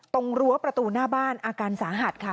รั้วประตูหน้าบ้านอาการสาหัสค่ะ